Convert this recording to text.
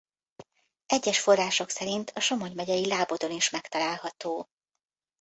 Egyes források szerint a Somogy megyei Lábodon is megtalálható.